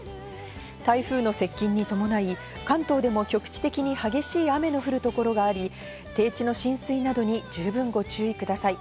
台風の接近に伴い、関東でも局地的に激しい雨の降る所があり、低地の浸水などに十分ご注意ください。